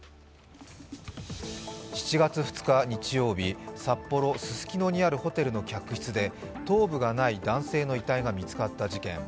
７月２日日曜日、札幌・ススキノにあるホテルの一室で頭部がない男性の遺体が見つかった事件